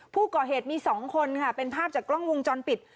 ผู้ก่อเหตุมี๒คนค่ะเป็นภาพจากกล้องวงจรปิด